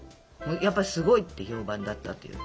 やっぱすごいって評判だったっていう。